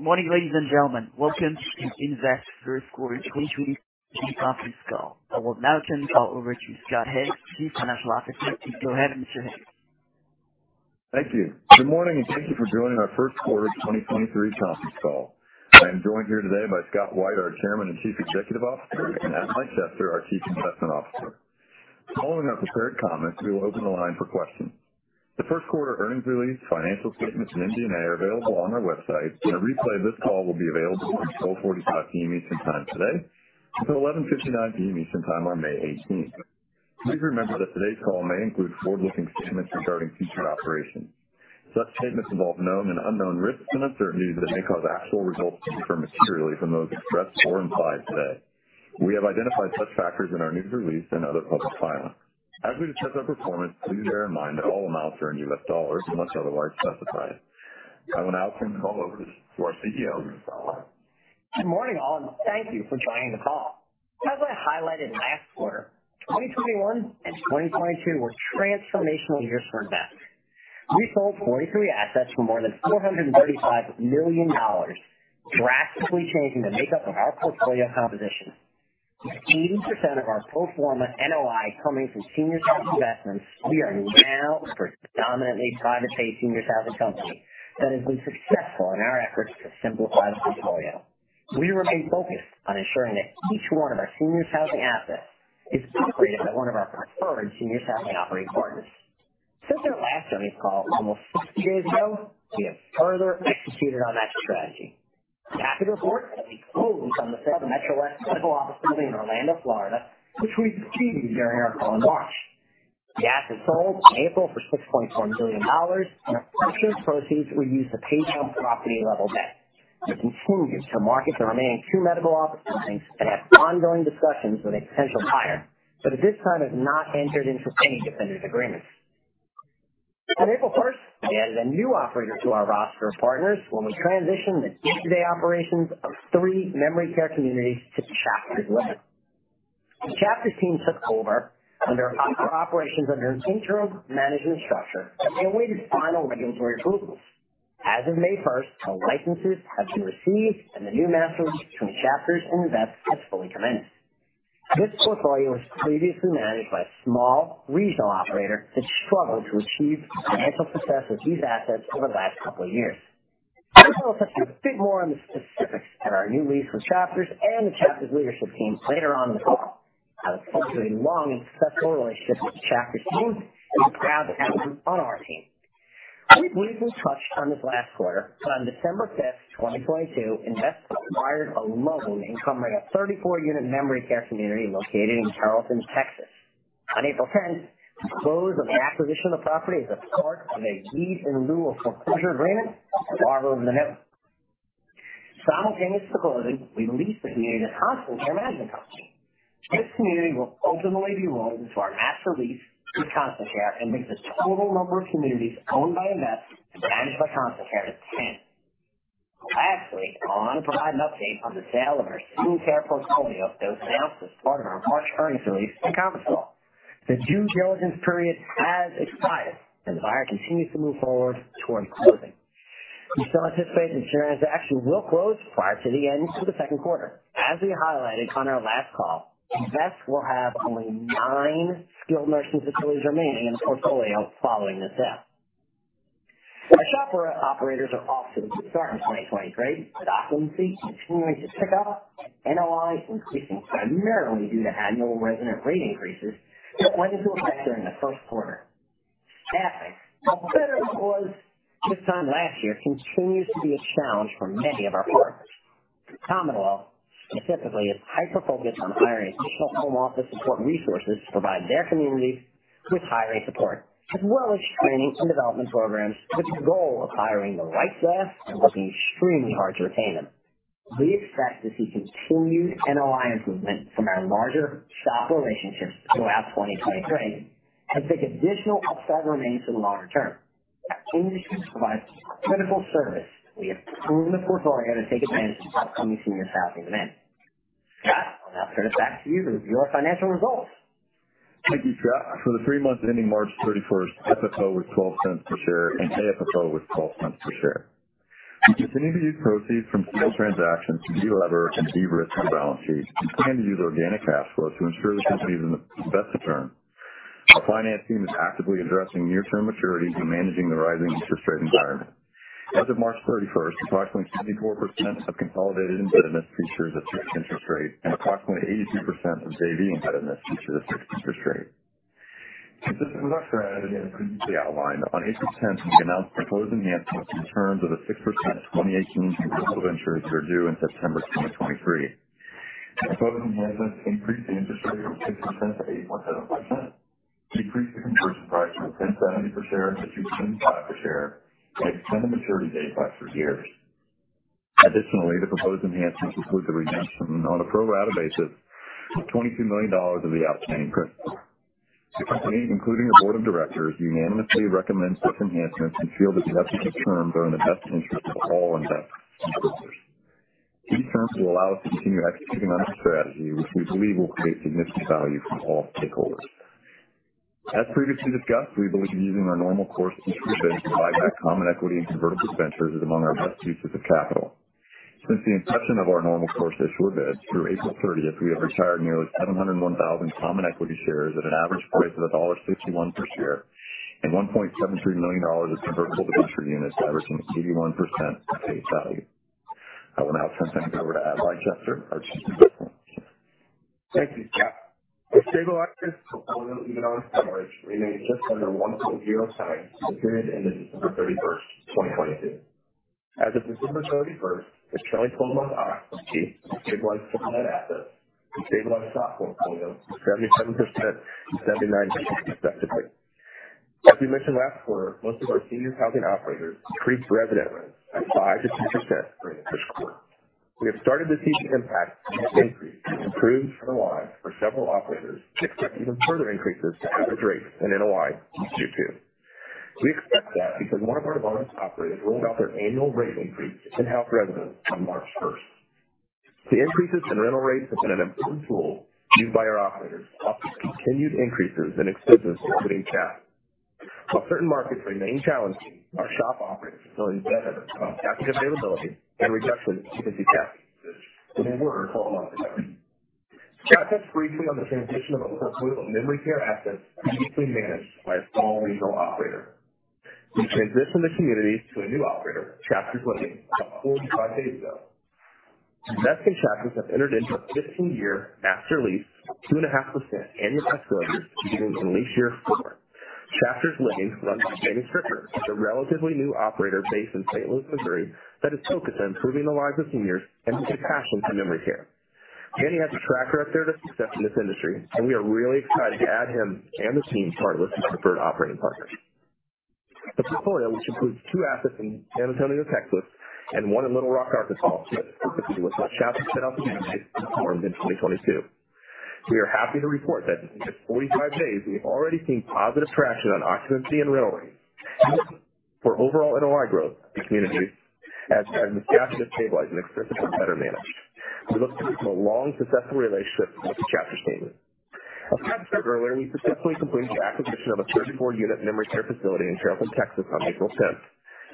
Good morning, ladies and gentlemen. Welcome to Invesque First Quarter 2023 earnings conference call. I will now turn the call over to Scott Higgs, Chief Financial Officer. Please go ahead, Mr. Higgs. Thank you. Good morning, and thank you for joining our first quarter 2023 conference call. I am joined here today by Scott White, our Chairman and Chief Executive Officer, and Adlai Chester, our Chief Investment Officer. Following our prepared comments, we will open the line for questions. The first quarter earnings release, financial statements, and MD&A are available on our website. A replay of this call will be available from 12:45 P.M. Eastern Time today until 11:59 P.M. Eastern Time on May 18th. Please remember that today's call may include forward-looking statements regarding future operations. Such statements involve known and unknown risks and uncertainties that may cause actual results to differ materially from those expressed or implied today. We have identified such factors in our news release and other public filings. As we discuss our performance, please bear in mind that all amounts are in US dollars unless otherwise specified. I will now turn the call over to our CEO. Good morning, all, and thank you for joining the call. As I highlighted last quarter, 2021 and 2022 were transformational years for Invesque. We sold 43 assets for more than $435 million, drastically changing the makeup of our portfolio composition. With 80% of our pro forma NOI coming from senior housing investments, we are now a predominantly private pay senior housing company that has been successful in our efforts to simplify the portfolio. We remain focused on ensuring that each one of our senior housing assets is operated by one of our preferred senior housing operating partners. Since our last earnings call almost six years ago, we have further executed on that strategy. I'm happy to report that we closed on the 7 MetroWest medical office building in Orlando, Florida, which we previously shared here on March. The asset sold in April for $6.4 million, A portion of the proceeds will be used to pay down property level debt. We continue to market the remaining two medical office buildings and have ongoing discussions with a potential buyer, At this time have not entered into any definitive agreements. On April first, we added a new operator to our roster of partners when we transitioned the day-to-day operations of three memory care communities to Chapters Living. The Chapters team took over our operations under an interim management structure as they awaited final regulatory approvals. As of May first, the licenses have been received and the new master between Chapters and Invesque has fully commenced. This portfolio was previously managed by a small regional operator that struggled to achieve financial success with these assets over the last couple of years. I will touch a bit more on the specifics of our new lease with Chapters and the Chapters leadership team later on in the call. I look forward to a long and successful relationship with the Chapters team and am proud to have them on our team. On December 5, 2022, Invesque acquired a loan encumbering a 34-unit memory care community located in Carrollton, Texas. On April 10, we closed on the acquisition of the property as a part of a deed in lieu of foreclosure agreement with Arbor and the note. Simultaneous to closing, we leased the community to Constant Care Management Company. This community will ultimately be rolled into our master lease with Constant Care and makes the total number of communities owned by Invesque and managed by Constant Care to 10. Lastly, I want to provide an update on the sale of our Seniors Care portfolio that was announced as part of our March earnings release and conference call. The due diligence period has expired and the buyer continues to move forward towards closing. We still anticipate that the transaction will close prior to the end of the second quarter. As we highlighted on our last call, Invesque will have only nine skilled nursing facilities remaining in the portfolio following this sale. The SHOP operators are off to a good start in 2023, with occupancy continuing to tick up, NOI increasing primarily due to annual resident rate increases that went into effect during the first quarter. Staffing, while better than it was this time last year, continues to be a challenge for many of our partners. Commonwealth Senior Living specifically is hyper-focused on hiring additional home office support resources to provide their communities with hiring support as well as training and development programs with the goal of hiring the right staff and working extremely hard to retain them. We expect to see continued NOI improvement from our larger SHOP relationships throughout 2023 as the additional upside remains for the longer term. Our teams continue to provide critical service. We have improved the portfolio to take advantage of upcoming senior housing demand. Scott, I'll now turn it back to you to review our financial results. Thank you, Scott. For the three months ending March 31st, FFO was $0.12 per share and AFFO was $0.12 per share. We continue to use proceeds from sale transactions to delever and derisk the balance sheet and plan to use organic cash flow to ensure the company is in the best term. Our finance team is actively addressing near-term maturities and managing the rising interest rate environment. As of March 31st, approximately 74% of consolidated indebtedness features a fixed interest rate and approximately 82% of JV indebtedness features a fixed interest rate. Consistent with our strategy and previously outlined, on April 10th, we announced proposed enhancements in terms of a 6% 2018 convertible debentures that are due in September 2023. The proposed enhancements increase the interest rate of 6% to 8.7%, decrease the conversion price from [$10.70] per share to [$2.105] per share, and extend the maturity date by three years. Additionally, the proposed enhancements include the redemption on a pro rata basis of [$22 million] of the outstanding principal. The company, including the board of directors, unanimously recommends this enhancements and feel that the updated terms are in the best interest of all Invesque. These terms will allow us to continue executing on our strategy, which we believe will create significant value for all stakeholders. As previously discussed, we believe using our Normal Course Issuer Bid to buy back common equity and convertible debentures is among our best uses of capital. Since the inception of our Normal Course Issuer Bid through April thirtieth, we have retired nearly 701,000 common equity shares at an average price of $1.51 per share and $1.73 million in convertible debenture units averaging 81% of face value. I will now turn things over to Adlai Chester. Thank you, Scott. The stabilized portfolio, even on its coverage, remains just under 1.0x the period ended December 31, 2022. As of December 31, the trailing twelve-month occupancy stabilized net asset and stabilized platform portfolio was 77% and 79% respectively. As we mentioned last quarter, most of our senior housing operators increased resident rent at 5%-6% during the first quarter. We have started to see the impact of this increase improve NOI for several operators to expect even further increases to average rates and NOI in two two. We expect that because one of our largest operators rolled out their annual rate increase to in-house residents on March 1. The increases in rental rates have been an important tool used by our operators off the continued increases in expenses including cash. While certain markets remain challenging, our SHOP operates facilities that have seen capacity availability and reduction in occupancy challenges. They were for a month ago. Chat us briefly on the transition of a portfolio of memory care assets previously managed by a small regional operator. We transitioned the community to a new operator, Chapters Living, about 45 days ago. Invesque in Chapters have entered into a 15-year master lease of 2.5% annual escalators beginning in lease year four. Chapters Living, run by Manny Scriver, is a relatively new operator based in St. Louis, Missouri, that is focused on improving the lives of seniors and bringing passion to memory care. Manny has a track record of success in this industry, we are really excited to add him and his team to our list of preferred operating partners. The portfolio, which includes two assets in San Antonio, Texas, and one in Little Rock, Arkansas, was a portfolio that SHOP set out to syndicate and perform in 2022. We are happy to report that in just 45 days, we've already seen positive traction on occupancy and rental rates for overall NOI growth in the community as the asset is stabilized and expenses are better managed. We look forward to a long, successful relationship with the Chapters team. As Scott said earlier, we successfully completed the acquisition of a 34-unit memory care facility in Carrollton, Texas, on April 10th.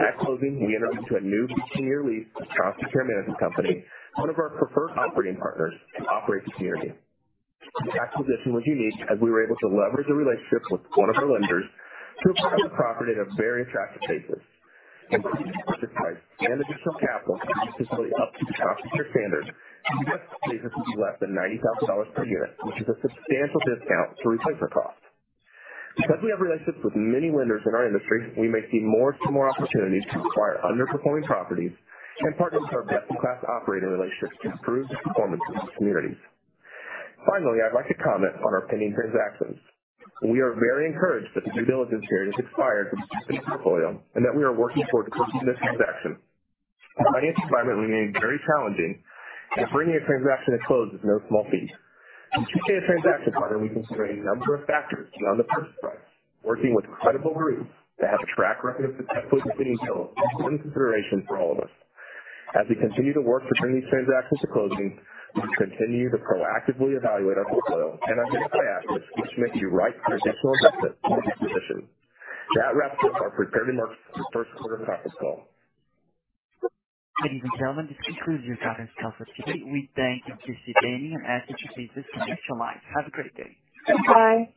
At closing, we entered into a new 15-year lease with Constant Care Management Company, one of our preferred operating partners, to operate the community. The acquisition was unique as we were able to leverage the relationship with one of our lenders to acquire the property at a very attractive basis. Increasing purchase price and additional capital to bring facility up to Constant Care standards, we estimate this will be less than $90,000 per unit, which is a substantial discount to replacement cost. Because we have relationships with many lenders in our industry, we may see more similar opportunities to acquire underperforming properties and partner with our best-in-class operating relationships to improve the performance of these communities. Finally, I'd like to comment on our pending transactions. We are very encouraged that the due diligence period has expired for this portfolio and that we are working toward completing this transaction. The finance environment remains very challenging, and bringing a transaction to close is no small feat. In choosing a transaction partner, we consider a number of factors beyond the purchase price. Working with credible groups that have a track record of successfully completing deals is one consideration for all of us. As we continue to work to turn these transactions to closing, we continue to proactively evaluate our portfolio and identify assets which may be right for additional investment or disposition. That wraps up our prepared remarks for the first quarter results call. Ladies and gentlemen, this concludes your conference call for today. We thank you for participating and ask that you please disconnect your lines. Have a great day. Bye-bye.